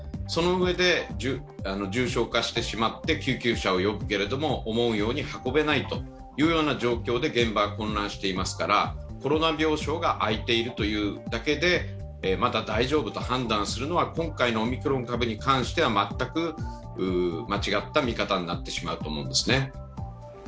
そのうえで重症化してしまって救急車を呼ぶけれども思うように運べないというような状況で現場は混乱していますからコロナ病床が空いているというだけで、まだ大丈夫と判断するのは今回のオミクロン株に関しては全く間違った見方になってしまうと思うんですね。